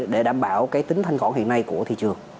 để đảm bảo cái tính thanh khoản hiện nay của thị trường